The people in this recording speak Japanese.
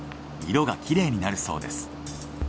色がきれいになるそうです。